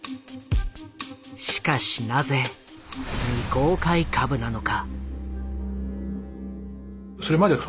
しかしなぜ未公開株なのか。